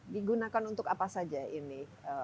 digunakan untuk apa saja ini